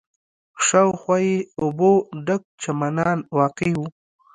شاوخوا یې اوبو ډک چمنان واقع و.